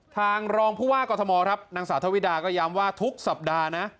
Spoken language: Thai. ทางรองผู้ว่ากรทมครับนางสาวทวิดาก็ย้ำว่าทุกสัปดาห์นะ